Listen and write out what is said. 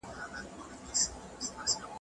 که د خونې ور خلاص شي، ماشوم به بیرته راشي.